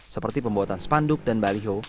seperti pembuatan spanduk dan baliho